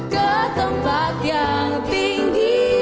ke tempat yang lebih tinggi